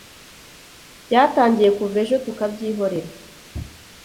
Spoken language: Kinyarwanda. Byatangiye kuva ejo tukabyihorera